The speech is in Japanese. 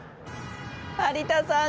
有田さん